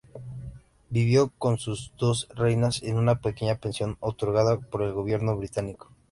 Vivió con sus dos reinas en una pequeña pensión otorgada por el gobierno británico.